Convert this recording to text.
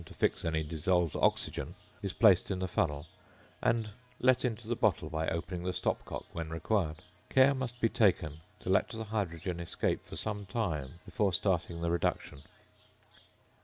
to fix any dissolved oxygen, is placed in the funnel, and let into the bottle by opening the stopcock when required. Care must be taken to let the hydrogen escape for some time before starting the reduction. [Illustration: FIG. 33.